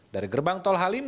dari gerbang tol halim